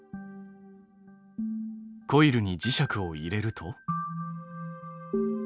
コイルに磁石を入れると。